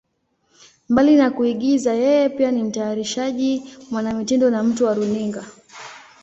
Mbali na kuigiza, yeye pia ni mtayarishaji, mwanamitindo na mtu wa runinga.